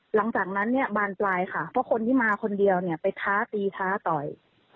หลังจากนั้นเนี่ยบานปลายค่ะเพราะคนที่มาคนเดียวเนี่ยไปท้าตีท้าต่อย